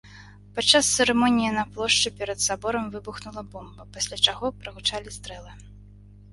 Пад час цырымоніі на плошчы перад саборам выбухнула бомба, пасля чаго прагучалі стрэлы.